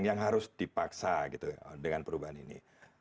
yang harus dipaksa gitu dengan perubahan ini